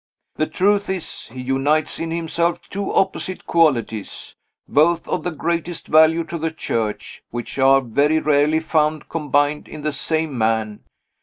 The truth is, he unites in himself two opposite qualities, both of the greatest value to the Church, which are very rarely found combined in the same man.